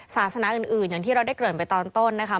ศาสนาอื่นอย่างที่เราได้เกริ่นไปตอนต้นนะคะ